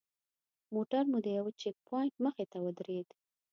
موټر مو د یوه چیک پواینټ مخې ته ودرېد.